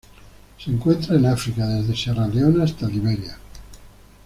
Se encuentran en África desde Sierra Leona hasta Liberia.